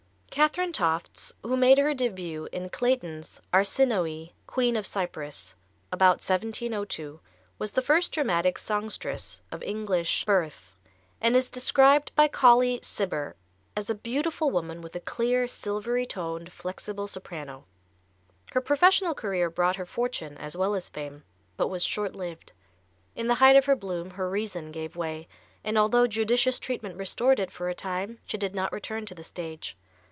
Katherine Tofts, who made her début in Clayton's "Arsinoe, Queen of Cyprus," about 1702, was the first dramatic songstress of English birth, and is described by Colley Cibber as a beautiful woman with a clear, silvery toned, flexible soprano. Her professional career brought her fortune as well as fame, but was short lived. In the height of her bloom her reason gave way, and although judicious treatment restored it for a time, she did not return to the stage.